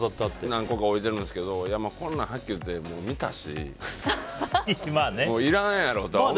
何個か置いてるんですけどはっきり言って見たしもういらんやろと思って。